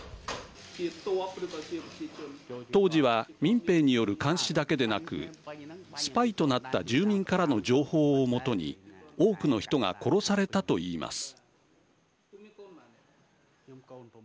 当時は民兵による監視だけでなくスパイとなった住民からの情報を基に多くの人が殺されたと言います。